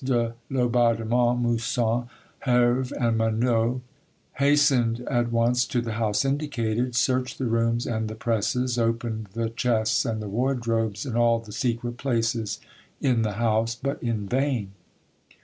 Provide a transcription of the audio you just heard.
De Laubardemont, Moussant, Herve, and Meunau hastened at once to the house indicated, searched the rooms and the presses, opened the chests and the wardrobes and all the secret places in the house, but in vain.